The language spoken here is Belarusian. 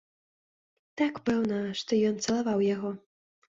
Так, пэўна, што ён цалаваў яго.